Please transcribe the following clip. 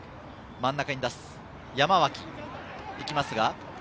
真ん中に出す山脇が行きます。